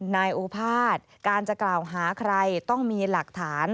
นายโอภาษย์การจะกล่าวหาใครต้องมีหลักฐาน